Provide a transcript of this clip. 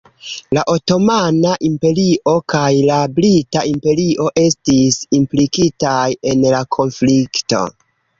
La Otomana Imperio kaj la Brita Imperio estis implikitaj en la konflikto.